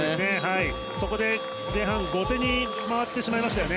そこで前半後手に回ってしまいましたよね。